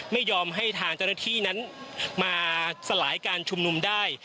ไม่ยอมให้ทางเจ้าหน้าที่นั้นมาสลายการชุมนุมได้